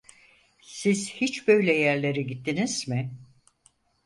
Siz hiç böyle yerlere gittiniz mi?